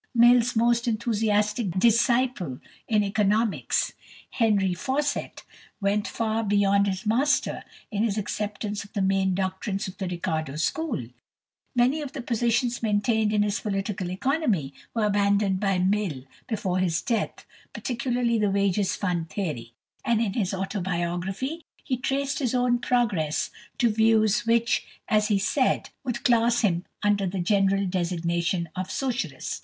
Mill's most enthusiastic disciple in economics, =Henry Fawcett (1833 1884)=, went far beyond his master in his acceptance of the main doctrines of the Ricardo school. Many of the positions maintained in his "Political Economy" were abandoned by Mill before his death, particularly the Wages Fund theory; and in his "Autobiography" he traced his own progress to views which, as he said, would class him "under the general designation of Socialist."